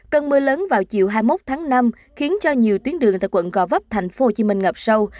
cơn mưa lớn vào chiều hai mươi một tháng năm khiến cho nhiều tuyến đường tại quận gò vấp thành phố hồ chí minh ngập sâu